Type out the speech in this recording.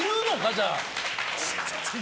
じゃあ。